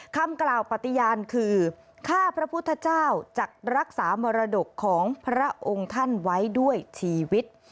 คำกล่าวปฏิญาณคือข้าพระพุทธเจ้าจะรักษามรดกของพระองค์ท่านไว้ด้วยชีวิต